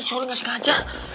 sorry gak sengaja